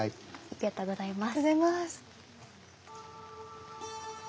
ありがとうございます。